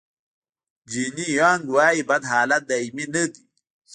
جیني یانګ وایي بد حالت دایمي نه دی.